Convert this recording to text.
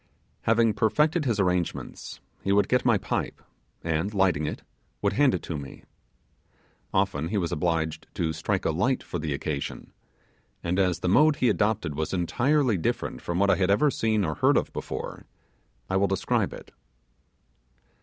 Having perfected his arrangements, he would get my pipe, and, lighting it, would hand it to me. Often he was obliged to strike a light for the occasion, and as the mode he adopted was entirely different from what I had ever seen or heard of before I will describe it.